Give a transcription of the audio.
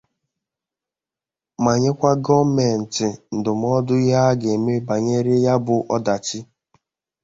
ma nyekwa gọọmenti ndụmọdụ ihe a ga-eme banyere ya bụ ọdachi